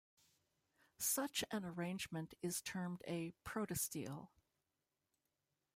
Such an arrangement is termed a protostele.